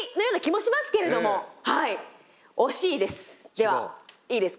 ではいいですか？